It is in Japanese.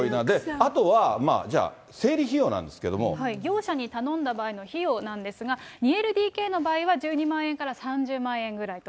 あとは、じゃあ、業者に頼んだ場合の費用なんですが、２ＬＤＫの場合は、１２万円から３０万円ぐらいと。